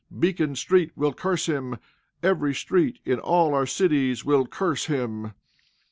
Beacon street will curse him. Every street in all our cities will curse him.